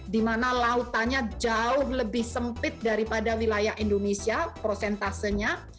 dimana lautannya jauh lebih sempit daripada wilayah indonesia prosentasenya